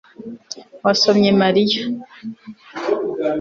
wasomye mariya